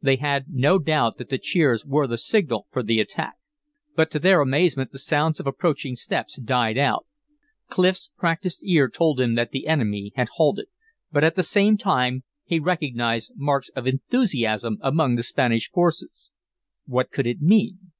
They had no doubt that the cheers were the signal for the attack. But to their amazement the sounds of approaching steps died out. Clif's practiced ear told him that the enemy had halted; but at the same time he recognized marks of enthusiasm among the Spanish forces. What could it mean?